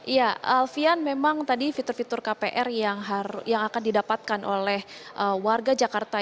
ya alfian memang tadi fitur fitur kpr yang akan didapatkan oleh warga jakarta